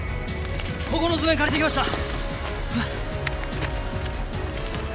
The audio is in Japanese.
ここの図面借りてきました！